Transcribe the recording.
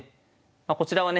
こちらはね